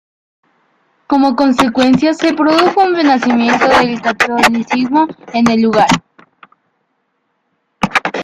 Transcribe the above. Como consecuencia, se produjo un renacimiento del catolicismo en el lugar.